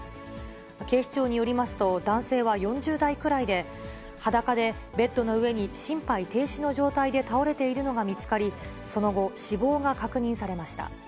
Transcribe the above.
警視庁によりますと、男性は４０代くらいで、裸でベッドの上で心肺停止の状態で倒れているのが見つかり、その後、死亡が確認されました。